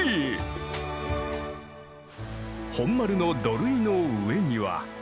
本丸の土塁の上には。